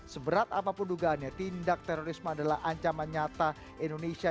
seberat apapun dugaannya tindak terorisme adalah ancaman nyata indonesia